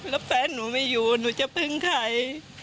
แล้วแฟนหนูไม่อยู่หนูจะพึ่งใคร